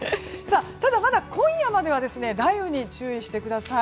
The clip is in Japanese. ただ、まだ今夜までは雷雨に注意してください。